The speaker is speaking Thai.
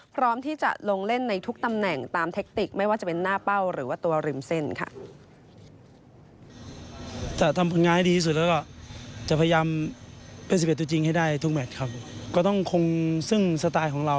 พร้อมที่จะลงเล่นในทุกตำแหน่งตามเทคติกไม่ว่าจะเป็นหน้าเป้าหรือว่าตัวริมเส้นค่ะ